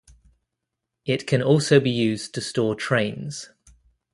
It can also be used to store trains.